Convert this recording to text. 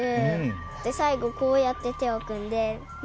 最後こうやって手を組んで「んっ」って。